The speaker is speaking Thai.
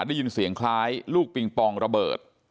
ได้ยินเสียงคล้ายลูกปิงปองระเบิด